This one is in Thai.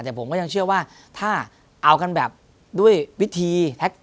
แต่ผมก็ยังเชื่อว่าถ้าเอากันแบบด้วยวิธีแท็ก